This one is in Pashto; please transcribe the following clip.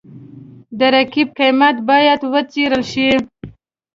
د رقیب قیمت باید وڅېړل شي.